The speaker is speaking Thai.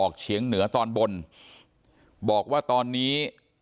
เฉียงเหนือตอนบนบอกว่าตอนนี้